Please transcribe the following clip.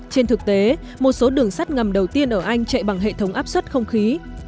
trên thực tế một số đường sắt ngầm đầu tiên ở anh chạy bằng hệ thống áp suất không khí